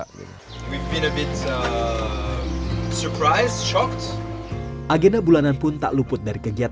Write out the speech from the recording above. kita agak terkejut terkejut